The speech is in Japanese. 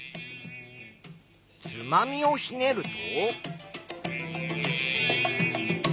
つまみをひねると。